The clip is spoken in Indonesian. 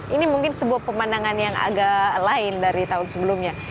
ini mungkin sebuah pemandangan yang agak lain dari tahun sebelumnya